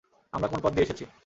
আমরা কোন পথ দিয়ে এসেছি?